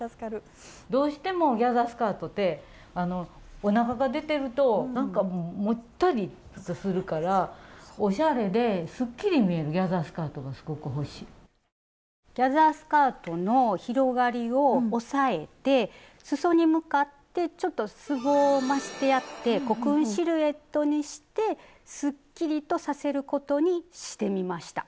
どうしてもギャザースカートってあのおなかが出てるとなんかもったりするからスタジオギャザースカートの広がりを抑えてすそに向かってちょっとすぼましてやってコクーンシルエットにしてすっきりとさせることにしてみました。